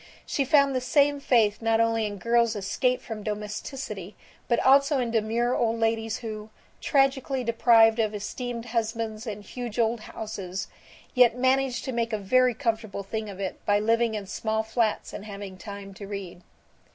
She found the same faith not only in girls escaped from domesticity but also in demure old ladies who, tragically deprived of esteemed husbands and huge old houses, yet managed to make a very comfortable thing of it by living in small flats and having time to read.